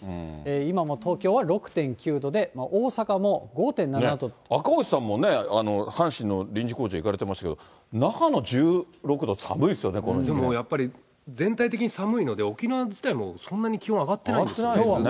今も東京は６．９度で、大阪も５．赤星さんも阪神の臨時コーチで行かれてましたけど、那覇の１６度、寒いですよね、もうやっぱり全体的に寒いので、沖縄自体も、そんなに気温上がってないですね。